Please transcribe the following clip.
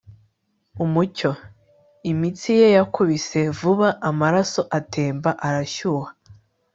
umucyo. imitsi ye yakubise vuba, amaraso atemba arashyuha